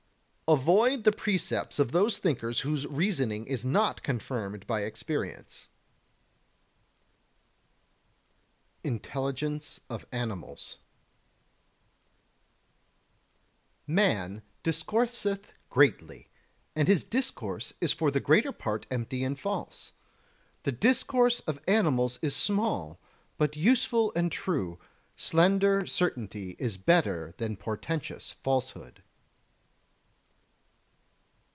40. Avoid the precepts of those thinkers whose reasoning is not confirmed by experience. [Sidenote: Intelligence of Animals] 41. Man discourseth greatly, and his discourse is for the greater part empty and false; the discourse of animals is small, but useful and true: slender certainty is better than portentous falsehood.